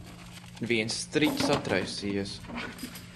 Viens striķis atraisījies.